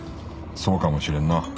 そうかもしれんな。